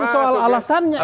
bukan soal alasannya